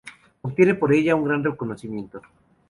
Obtiene por ella un gran reconocimiento.